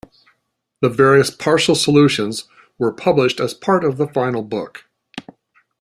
The various partial solutions were published as part of the final book.